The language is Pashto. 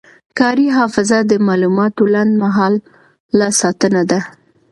کاري حافظه د معلوماتو لنډمهاله ساتنه ده.